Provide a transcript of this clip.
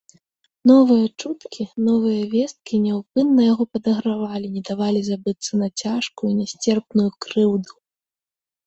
Новыя чуткі, новыя весткі няўпынна яго падагравалі, не давалі забыцца на цяжкую, нясцерпную крыўду.